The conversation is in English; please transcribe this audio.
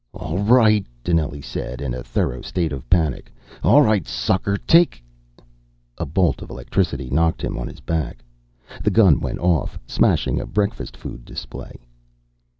"All right," Dinelli said, in a thorough state of panic. "All right, sucker, take " A bolt of electricity knocked him on his back. The gun went off, smashing a breakfast food display.